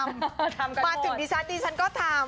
มาถึงดิฉันดิฉันก็ทำ